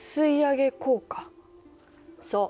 そう。